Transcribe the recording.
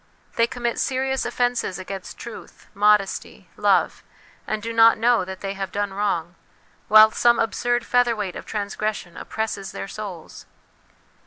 They commit serious offences against truth, modesty, love, and do not know that they have done wrong, while some absurd featherweight of transgres sion oppresses their souls.